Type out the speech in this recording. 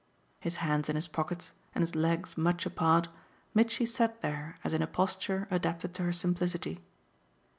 His hands in his pockets and his legs much apart, Mitchy sat there as in a posture adapted to her simplicity.